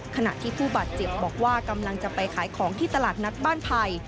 ขณะที่ผู้บาดเจ็บบอกว่ากำลังจะไปขายของที่ตลาดนัดบ้านไผ่